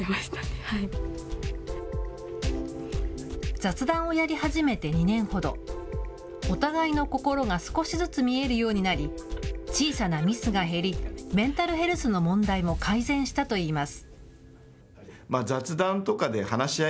雑談をやり始めて２年ほど、お互いの心が少しずつ見えるようになり、小さなミスが減り、メンタルヘルスの問題も改善したといいます。